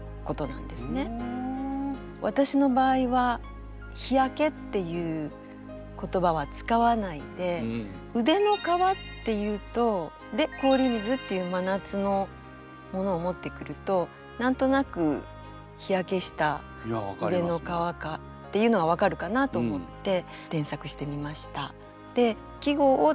私の場合は日焼けっていう言葉は使わないで「腕の皮」っていうとで「氷水」っていう夏のものを持ってくると何となく日焼けした腕の皮かっていうのは分かるかなと思って添削してみました。